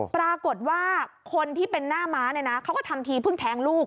ปรากฏว่าคนที่เป็นหน้าม้าเนี่ยนะเขาก็ทำทีเพิ่งแทงลูก